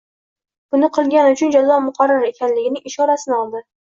buni qilgan uchun jazo muqarrar ekanligining ishorasini oldi.